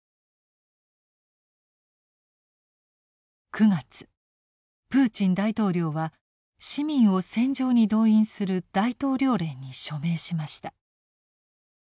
９月プーチン大統領は市民を戦場に動員する大統領令に署名しました。